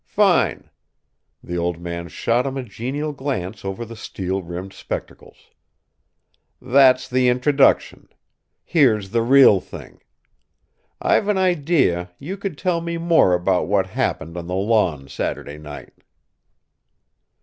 "Fine!" The old man shot him a genial glance over the steel rimmed spectacles. "That's the introduction. Here's the real thing: I've an idea you could tell me more about what happened on the lawn Saturday night."